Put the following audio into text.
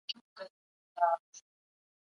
د غریبو خلګو دعاوې د مال برکت دی.